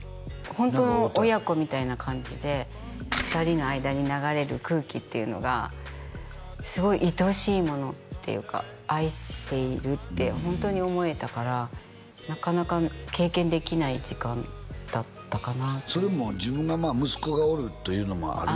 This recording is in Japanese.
ホントの親子みたいな感じで２人の間に流れる空気っていうのがすごいいとおしいものっていうか愛しているって本当に思えたからなかなか経験できない時間だったかなってそれも自分が息子がおるというのもある？